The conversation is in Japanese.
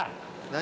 何？